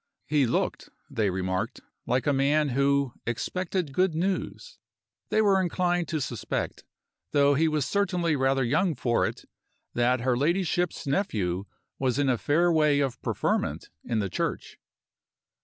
He looked (they remarked) like a man who "expected good news." They were inclined to suspect though he was certainly rather young for it that her ladyship's nephew was in a fair way of preferment in the Church.